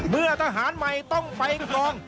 เมื่อทหารใหม่ต้องไปกอง